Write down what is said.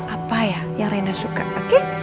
apa ya yang rena suka pakai